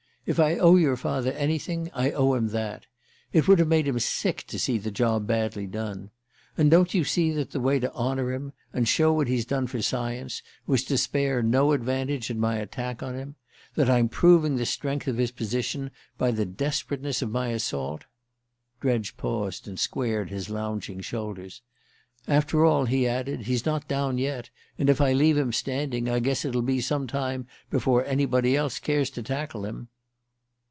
If I owe your father anything, I owe him that. It would have made him sick to see the job badly done. And don't you see that the way to honour him, and show what he's done for science, was to spare no advantage in my attack on him that I'm proving the strength of his position by the desperateness of my assault?" Dredge paused and squared his lounging shoulders. "After all," he added, "he's not down yet, and if I leave him standing I guess it'll be some time before anybody else cares to tackle him."